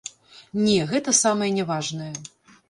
Не, гэта самая няважная.